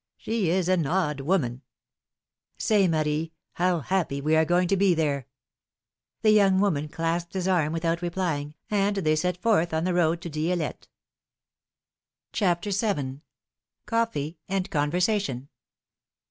She is an odd woman I Say, Marie, how happy we are going to be there ! The young woman clasped his arm without replying, and they set forth on the road to Di^lette. philomene's marriages. 77 CHAPTER VII. coffee and conversation.